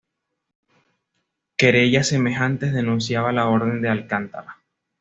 Querellas semejantes denunciaba la Orden de Alcántara.